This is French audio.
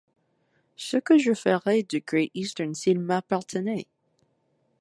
ce que je ferais du Great-Eastern s’il m’appartenait ?